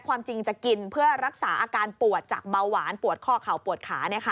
ความจริงจะกินเพื่อรักษาอาการปวดจากเบาหวานปวดข้อเข่าปวดขา